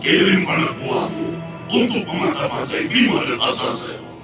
kirim panah buahmu untuk mematah patahi vima dan azazel